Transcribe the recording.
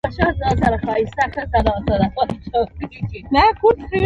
مالوه د اګرې د لوی سلطنت یوه برخه شوه.